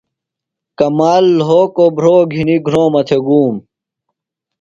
کمال لھوکوۡ بُھروۡ گِھنیۡ گُھرومہ تھےۡ ۡ گُوم۔